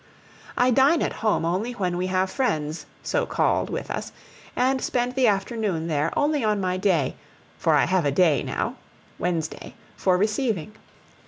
I dine at home only when we have friends, so called, with us, and spend the afternoon there only on my day, for I have a day now Wednesday for receiving.